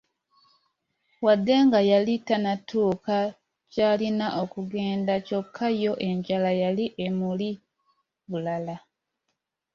Wadde nga yali tanatuuka gy'alina kugenda, kyokka yo enjala yali emuli bulala!